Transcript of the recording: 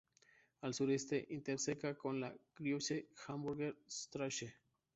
Al sureste interseca con la Große Hamburger Straße.